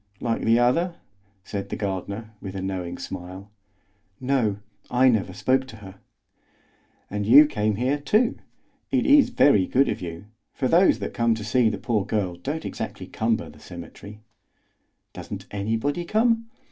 "Like the other?" said the gardener, with a knowing smile. "No, I never spoke to her." "And you come here, too! It is very good of you, for those that come to see the poor girl don't exactly cumber the cemetery." "Doesn't anybody come?"